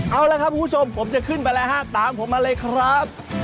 เอาละครับคุณผู้ชมผมจะขึ้นไปแล้วฮะตามผมมาเลยครับ